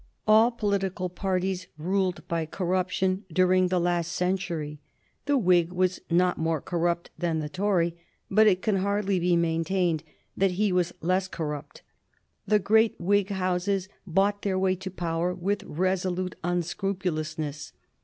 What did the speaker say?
All political parties ruled by corruption during the last century. The Whig was not more corrupt than the Tory, but it can hardly be maintained that he was less corrupt. The great Whig Houses bought their way to power with resolute unscrupulousness.